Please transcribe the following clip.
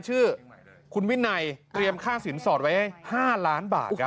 ชื่อคุณวินัยเตรียมค่าสินสอดไว้ให้๕ล้านบาทครับ